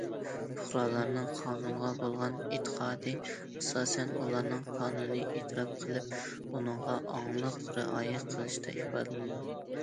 پۇقرالارنىڭ قانۇنغا بولغان ئېتىقادى، ئاساسەن، ئۇلارنىڭ قانۇننى ئېتىراپ قىلىپ، ئۇنىڭغا ئاڭلىق رىئايە قىلىشىدا ئىپادىلىنىدۇ.